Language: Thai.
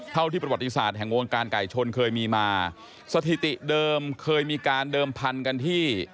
เท่าที่ประวัติศาสตร์แห่งวงการไก่ชนเคยมีมาสถิติเดิมเคยมีการเดิมพันธุ์กันที่